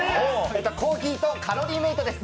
コーヒーとカロリーメイトです。